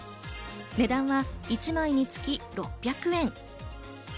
値段は１枚につき６００円。